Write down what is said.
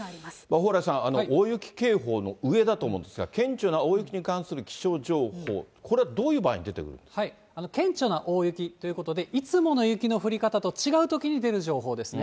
蓬莱さん、大雪警報の上だと思うんですが、顕著な大雪に関する気象情報、これはどういう場合に出てくるんで顕著な大雪ということで、いつもの雪の降り方と違うときに出る情報ですね。